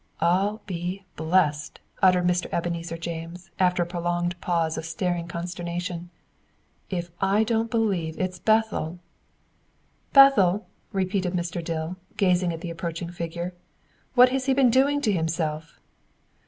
"I'll be blest," uttered Mr. Ebenezer James, after a prolonged pause of staring consternation, "if I don't believe it's Bethel!" "Bethel!" repeated Mr. Dill, gazing at the approaching figure. "What has he been doing to himself?"